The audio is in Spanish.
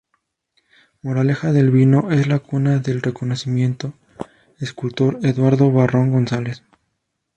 Moraleja del Vino es la cuna del reconocido escultor Eduardo Barrón González.